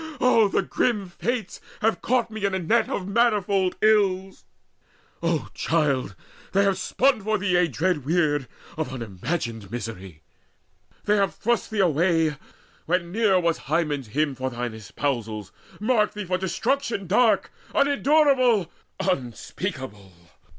Oh, the grim fates have caught me in a net Of manifold ills! O child, they have spun for thee Dread weird of unimagined misery! They have thrust thee away, when near was Hymen's hymn, From thine espousals, marked thee for destruction Dark, unendurable, unspeakable!